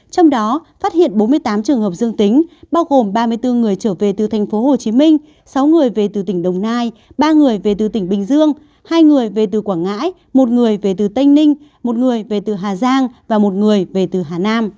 trong đó phát hiện bốn mươi tám trường hợp dương tính bao gồm ba mươi bốn người trở về từ tp hcm sáu người về từ tỉnh đồng nai ba người về từ tỉnh bình dương hai người về từ quảng ngãi một người về từ tây ninh một người về từ hà giang và một người về từ hà nam